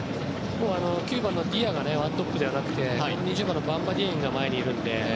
９番のディアが１トップではなくて２０番、バンバ・ディエンが前にいるので。